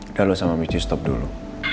udah lo sama miki stop dulu